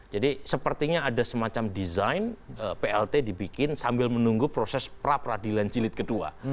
jadi sepertinya ada semacam desain plt dibikin sambil menunggu proses pra peradilan cilit kedua